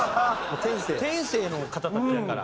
天性の方たちやから。